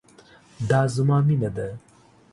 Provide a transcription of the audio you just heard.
دا زما مينه ده